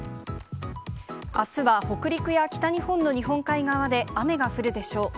あすは、北陸や北日本の日本海側で雨が降るでしょう。